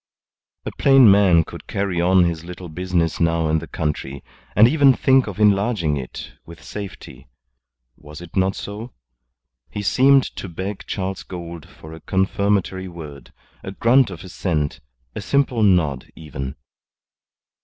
A plain man could carry on his little business now in the country, and even think of enlarging it with safety. Was it not so? He seemed to beg Charles Gould for a confirmatory word, a grunt of assent, a simple nod even.